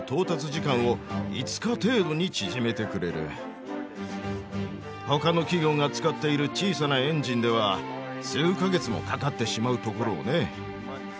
それがほかの企業が使っている小さなエンジンでは数か月もかかってしまうところをね。